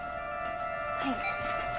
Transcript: はい。